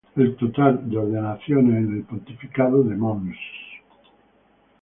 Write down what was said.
El total de ordenaciones en el pontificado de Mons.